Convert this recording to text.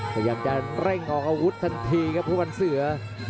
พยายามจะเร่งออกอาวุธทันทีครับทุกวันเสือ